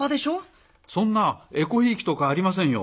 そんなえこひいきとかありませんよ。